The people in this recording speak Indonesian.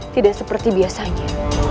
tidak seperti biasanya